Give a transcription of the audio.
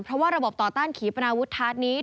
เพราะว่าระบบต่อต้านขีปัณวุธทัศนี้